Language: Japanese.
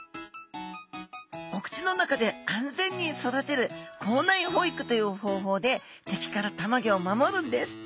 お口の中で安全に育てる口内保育という方法で敵から卵を守るんです。